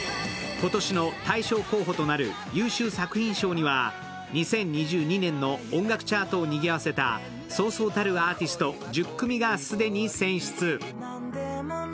今年の大賞候補となる優秀作品賞には２０２２年の音楽チャートをにぎわせたそうそうたるアーティスト１０組が既に選出。